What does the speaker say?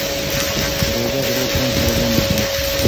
دروازه په ډېر پام سره بنده کړه.